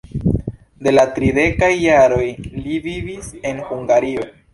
De la tridekaj jaroj li vivis en Hungario.